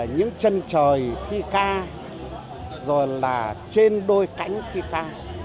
những chân trời thi ca rồi là trên đôi cánh thi ca